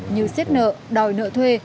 như xếp nợ đòi nợ thuê